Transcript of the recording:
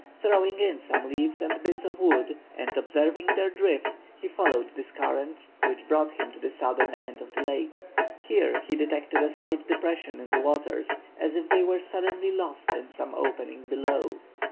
Throwing in some leaves and bits of wood, and observing their drift, he followed this current, which brought him to the southern end of the lake. Here he detected a slight depression in the waters, as if they were suddenly lost in some opening below.